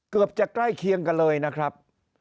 เกือบจะใกล้เคียงกันเลยนะครับ